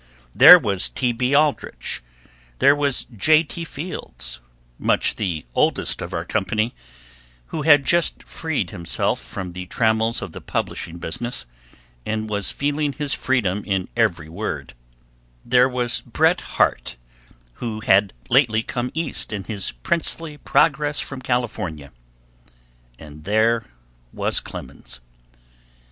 There was T. B. Aldrich, there was J. T. Fields, much the oldest of our company, who had just freed himself from the trammels of the publishing business, and was feeling his freedom in every word; there was Bret Harte, who had lately come East in his princely progress from California; and there was Clemens.